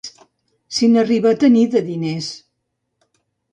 Si n'arriba a tenir, de diners!